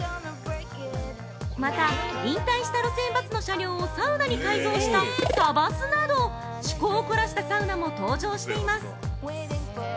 また、引退した路線バスの車両をサウナに改造した「サバス」など趣向を凝らしたサウナも登場しています。